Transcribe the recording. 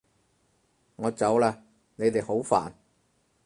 我走喇！你哋好煩